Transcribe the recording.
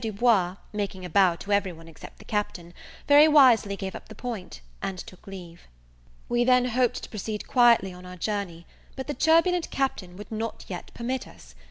Du Bois, making a bow to every one except the Captain, very wisely gave up the point, and took leave. We then hoped to proceed quietly on our journey; but the turbulent Captain would not yet permit us.